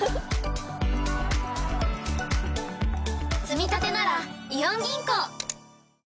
つみたてならイオン銀行！